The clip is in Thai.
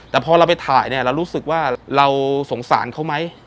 แต่พอเราไปถ่ายเนี่ยเรารู้สึกว่าเราสงสารเขาไหม